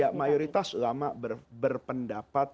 ya mayoritas ulama berpendapat